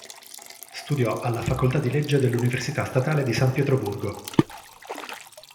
Studiò alla facoltà di legge dell'Università Statale di San Pietroburgo.